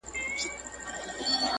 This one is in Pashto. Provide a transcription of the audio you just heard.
دا خو څه بيخي لايق د پاچاهي يې